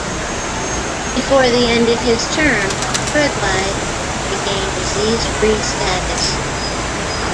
Before the end of his term, Uruguay had re-gained disease-free status.